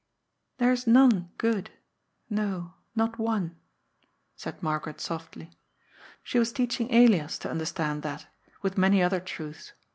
" There is none good, no, not one," said Margaret softly. She was teaching Elias to understand that, with many other truths.